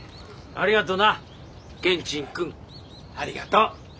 ありがとう。